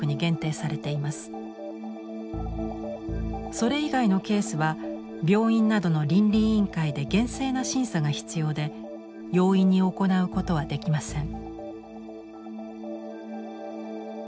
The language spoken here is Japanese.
それ以外のケースは病院などの倫理委員会で厳正な審査が必要で容易に行うことはできません。